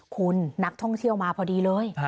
คุณนักท่องเที่ยวมาพอดีเลย